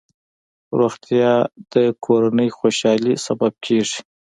روغتیا د کورنۍ خوشحالۍ سبب کېږي.